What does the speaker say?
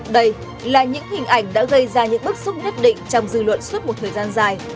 đây là những hình ảnh đã gây ra những bức xúc nhất định trong dư luận suốt một thời gian dài